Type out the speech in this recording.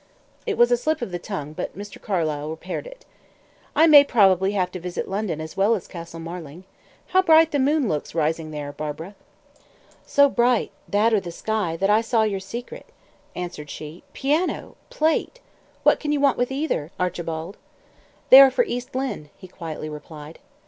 It was a slip of the tongue, but Mr. Carlyle repaired it. "I may probably have to visit London as well as Castle Marling. How bright the moon looks rising there, Barbara!" "So bright that or the sky that I saw your secret," answered she. "Piano! Plate! What can you want with either, Archibald?" "They are for East Lynne," he quietly replied.